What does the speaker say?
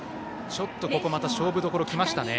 ちょっとここまた勝負どころが来ましたね。